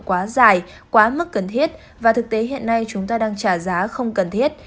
quá dài quá mức cần thiết và thực tế hiện nay chúng ta đang trả giá không cần thiết